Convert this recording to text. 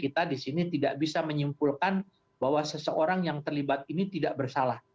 jadi kita di sini tidak bisa menyimpulkan bahwa seseorang yang terlibat ini tidak bersalah